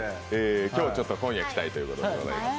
今夜期待ということでございます。